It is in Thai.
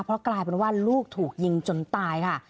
เพราะกลายเป็นว่าลูกถูกยิงจนตายค่ะ